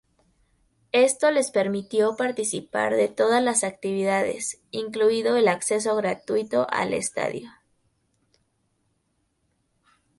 Esto les permitió participar de todas las actividades, incluido el acceso gratuito al estadio.